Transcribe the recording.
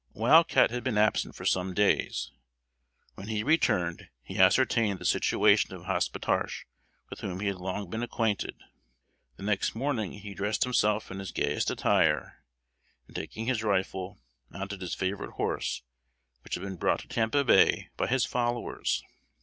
Wild Cat had been absent for some days. When he returned, he ascertained the situation of Hospetarche, with whom he had long been acquainted. The next morning he dressed himself in his gayest attire, and, taking his rifle, mounted his favorite horse, which had been brought to Tampa Bay by his followers.